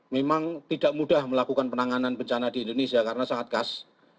memang tidak mudah melakukan penanganan bencana di indonesia karena sangat gas